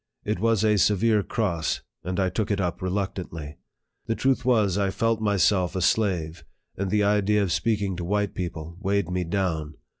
It was a severe cross, and I took it up reluctantly. The truth was, I felt myself a slave, and the idea of speaking to white people weighed me down.